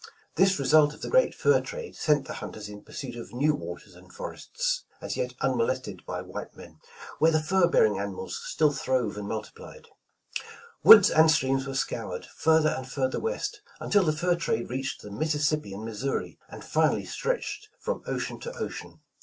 This result of the great fur trade, sent the hunters in pursuit of new waters and forests, as yet unmolested by white men, where the fur bearing animals still 140 A New Century throve and multiplied. Woods and streams were scoured, further and further west, until the fur trade reached the Mississippi and Missouri, and finally stretched from ocean to ocean.